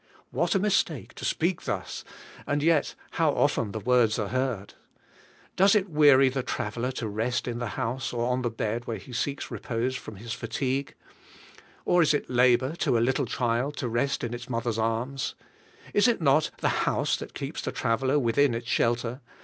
What a mistake to speak thus, and yet how often the words are heard! Does it weary the traveller to rest in the house or on the bed where he seeks repose from his fatigue? Or is it a labor to AND YE SHALL FIND REST TO YOUR SOULS, 25 a little child to rest in its mother's arms? Is it not the house that keeps the traveller within its shelter?